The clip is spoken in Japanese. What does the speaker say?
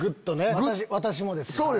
私もです。